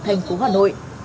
thành phố hà nội